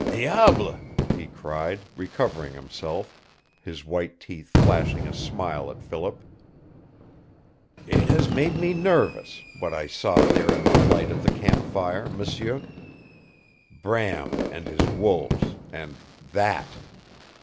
"Diable!" he cried, recovering himself, his white teeth flashing a smile at Philip. "It has made me nervous what I saw there in the light of the campfire, M'sieu. Bram, and his wolves, and THAT!"